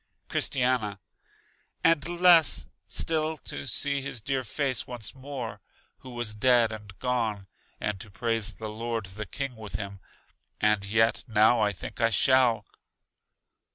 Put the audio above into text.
Christiana: And less still to see his dear face once more who was dead and gone, and to praise the Lord the King with him; and yet now I think I shall.